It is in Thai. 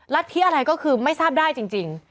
รัฐธิอะไรก็คือไม่ทราบได้จริง